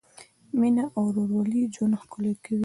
مینه او ورورولي ژوند ښکلی کوي.